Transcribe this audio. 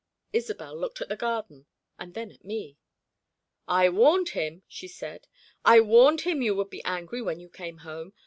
Isobel looked at the garden, and then at me. "I warned him!" she said. "I warned him you would be angry when you came home!